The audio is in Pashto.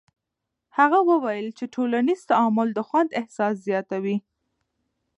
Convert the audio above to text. هغه وویل چې ټولنیز تعامل د خوند احساس زیاتوي.